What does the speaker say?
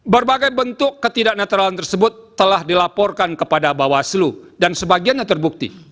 berbagai bentuk ketidak netralan tersebut telah dilaporkan kepada bawaslu dan sebagiannya terbukti